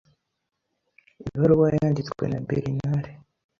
Ibaruwa yanditswe na Berinari.